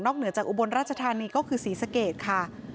เหนือจากอุบลราชธานีก็คือศรีสะเกดค่ะ